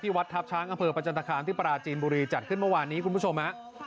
วัดทัพช้างอำเภอประจันตคามที่ปราจีนบุรีจัดขึ้นเมื่อวานนี้คุณผู้ชมฮะ